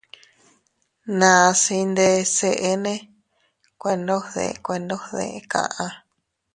Nas iyndes eʼenne, kuendogde kuendogde kaʼa.